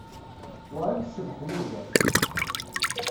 Wa i icebḥen ugar.